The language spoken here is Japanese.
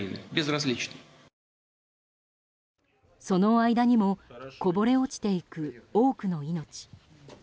その間にもこぼれ落ちていく多くの命。